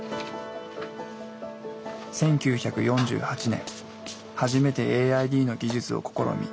１９４８年初めてＡＩＤの技術を試み